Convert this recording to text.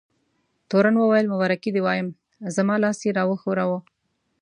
تورن وویل: مبارکي دې وایم، زما لاس یې را وښوراوه.